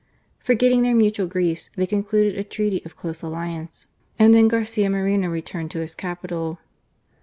Forgetting their mutual griefs, ^H they concluded a treaty of close alliance ; and then ^H Garcia Moreno returned to his capital.